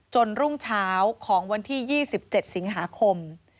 รุ่งเช้าของวันที่๒๗สิงหาคม